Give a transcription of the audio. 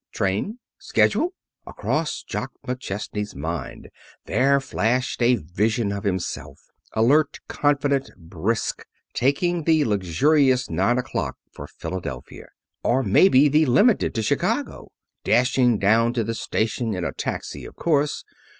Train! Schedule! Across Jock McChesney's mind there flashed a vision of himself, alert, confident, brisk, taking the luxurious nine o'clock for Philadelphia. Or, maybe, the Limited to Chicago. Dashing down to the station in a taxi, of course.